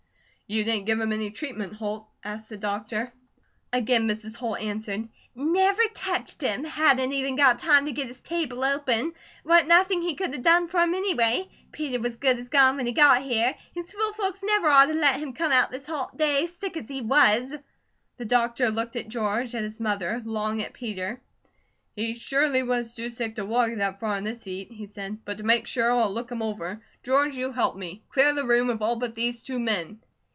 "You didn't give him any treatment, Holt?" asked the doctor. Again Mrs. Holt answered: "Never touched him! Hadn't even got time to get his table open. Wa'n't nothing he could 'a' done for him anyway. Peter was good as gone when he got here. His fool folks never ought 'a' let him out this hot day, sick as he was." The doctor looked at George, at his mother, long at Peter. "He surely was too sick to walk that far in this heat," he said. "But to make sure, I'll look him over. George, you help me. Clear the room of all but these two men."